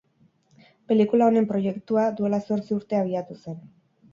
Pelikula honen proiektua duela zortzi urte abiatu zen.